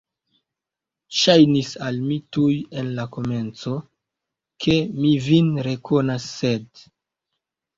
Ŝajnis al mi tuj en la komenco, ke mi vin rekonas, sed.